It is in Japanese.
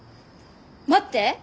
待って。